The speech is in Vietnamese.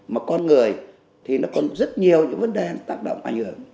mà con người thì nó có rất nhiều những vấn đề tạm động ảnh hưởng